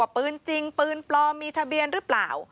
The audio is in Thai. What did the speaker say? ปืนจริงปืนปลอมมีทะเบียนหรือเปล่า